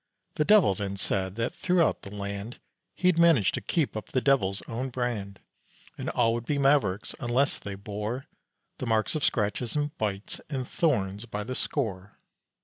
The devil then said that throughout the land He'd managed to keep up the devil's own brand, And all would be mavericks unless they bore The marks of scratches and bites and thorns by the score.